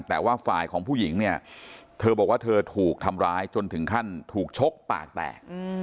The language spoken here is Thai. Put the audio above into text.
แต่ว่าฝ่ายของผู้หญิงเนี่ยเธอบอกว่าเธอถูกทำร้ายจนถึงขั้นถูกชกปากแตก